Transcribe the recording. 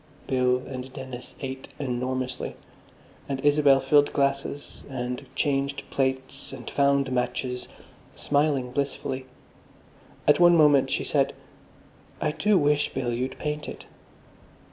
Bill and Dennis ate enormously. And Isabel filled glasses, and changed plates, and found matches, smiling blissfully. At one moment, she said, "I do wish, Bill, you'd paint it."